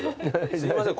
すいません。